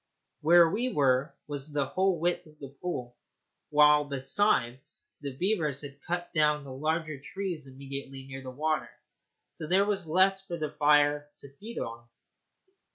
Where we were was the whole width of the pool, while, besides, the beavers had cut down the larger trees immediately near the water, so there was less for the fire to feed upon.